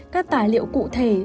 các tài liệu cụ thể